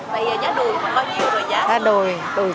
bây giờ giá đùi có bao nhiêu rồi dạ